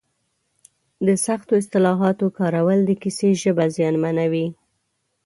د سختو اصطلاحاتو کارول د کیسې ژبه زیانمنوي.